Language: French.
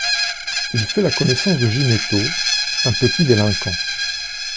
Il fait la connaissance de Ginetto, un petit délinquant.